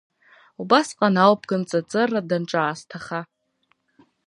Убаскан ауп Кынҵаҵыра данҿаасҭаха…